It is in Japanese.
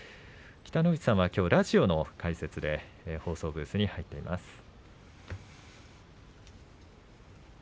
北の富士さんはきょうラジオの解説で放送ブースに入っています。